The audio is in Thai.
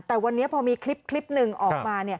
แต่วันนี้พอมีคลิปหนึ่งออกมา